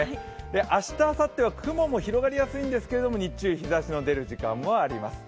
明日あさっては雲も広がりやすいんですけど、日中、日ざしの出る時間もあります